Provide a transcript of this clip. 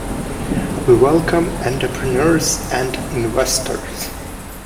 We welcome entrepreneurs and investors.